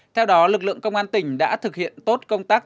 theo đó lực lượng công an tỉnh đã thực hiện tốt công tác